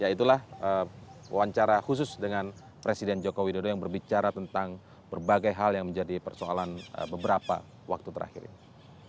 ya itulah wawancara khusus dengan presiden joko widodo yang berbicara tentang berbagai hal yang menjadi persoalan beberapa waktu terakhir ini